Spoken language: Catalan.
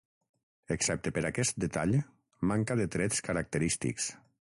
Excepte per aquest detall, manca de trets característics.